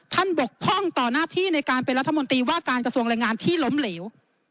บกพร่องต่อหน้าที่ในการเป็นรัฐมนตรีว่าการกระทรวงแรงงานที่ล้มเหลว